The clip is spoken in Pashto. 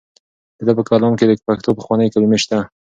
د ده په کلام کې د پښتو پخوانۍ کلمې شته.